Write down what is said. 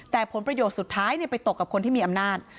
แต่ผลประโยชน์สุดท้ายไปตกกับคนที่มีอำนาจ